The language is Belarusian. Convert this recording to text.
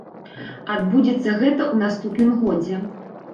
Адбудзецца гэта ў наступным годзе.